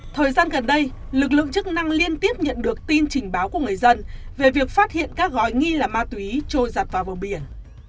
thời gian gần đây lực lượng chức năng liên tiếp nhận được tin trình báo của người dân về việc phát hiện các gói nghi là ma túy trôi giặt vào vùng biển